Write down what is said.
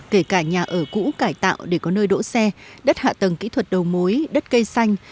kể cả nhà ở cũ cải tạo để có nơi đỗ xe đất hạ tầng kỹ thuật đầu mối đất cây xanh